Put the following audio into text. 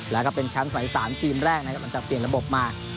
และเป็นแชมป์สำหรับสามทีมแรกเนอะหลังจากเปลี่ยนระบบมา